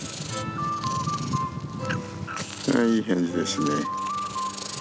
ああいい返事ですね。